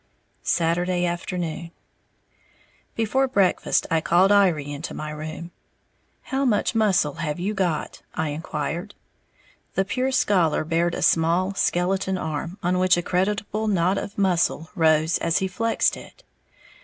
Saturday Afternoon. Before breakfast I called Iry into my room. "How much muscle have you got?" I inquired. The "pure scholar" bared a small, skeleton arm, on which a creditable knot of muscle rose as he flexed it.